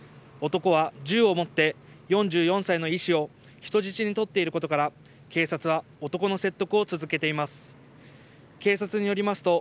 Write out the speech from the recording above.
男は銃を持って、４４歳の医師を人質に取っていることから、警察は男の説得を続けています。